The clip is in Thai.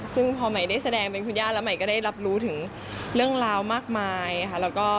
ซึ่งพอใหม่ได้แสดงเป็นคุณย่าแล้วใหม่ก็ได้รับรู้ถึงเรื่องราวมากมายค่ะ